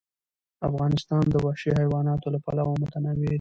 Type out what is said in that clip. افغانستان د وحشي حیواناتو له پلوه متنوع دی.